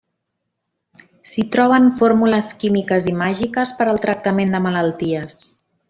S'hi troben fórmules químiques i màgiques per al tractament de malalties.